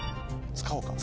使おうか。